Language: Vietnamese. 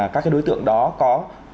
các cái đối tượng đó có